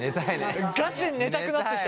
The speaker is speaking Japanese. ガチで寝たくなってきた！